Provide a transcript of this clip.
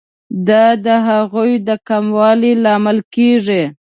دا د هغوی د کموالي لامل کیږي.